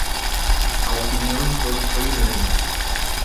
A opinião de todos foi unânime.